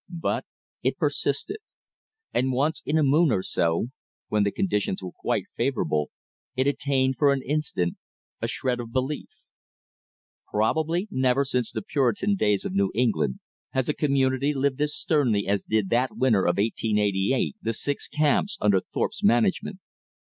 But it persisted; and once in a moon or so, when the conditions were quite favorable, it attained for an instant a shred of belief. Probably never since the Puritan days of New England has a community lived as sternly as did that winter of 1888 the six camps under Thorpe's management.